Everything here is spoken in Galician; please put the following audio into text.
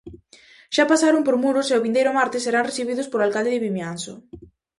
Xa pasaron por Muros e o vindeiro martes serán recibidos polo alcalde de Vimianzo.